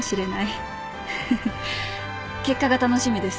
フフ結果が楽しみです。